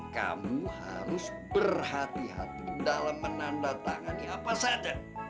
kamu harus berhati hati dalam menandatangani apa saja